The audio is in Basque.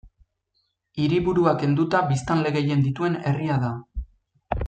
Hiriburua kenduta biztanle gehien dituen herria da.